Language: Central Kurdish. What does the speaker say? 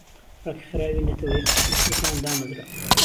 رێکخراوی نەتەوە یەکگرتوەکان دامەزرا